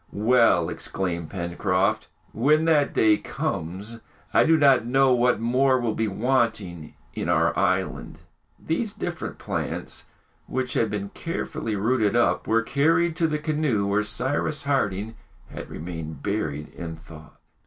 "Well!" exclaimed Pencroft, "when that day comes, I do not know what more will be wanting in our island!" These different plants, which had been carefully rooted, up, were carried to the canoe, where Cyrus Harding had remained buried in thought.